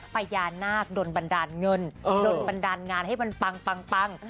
พญานาคโดนบันดาลเงินโดนบันดาลงานให้มันปัง